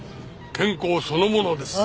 健康そのものです。